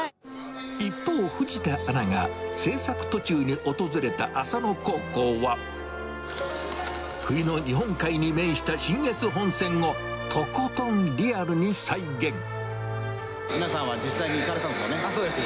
一方、藤田アナが制作途中に訪れた浅野高校は、冬の日本海に面した信越皆さんは実際に行かれたんでそうです。